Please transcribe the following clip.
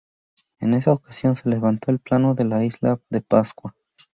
En esa ocasión se levantó el plano de la Isla de Pascua.